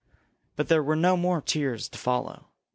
But there were no more tears to follow.